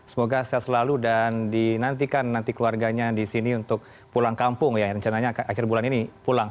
semoga sehat selalu dan dinantikan nanti keluarganya di sini untuk pulang kampung ya rencananya akhir bulan ini pulang